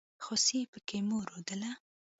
خوسي پکې مور رودله.